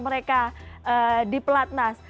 mereka di pelatnas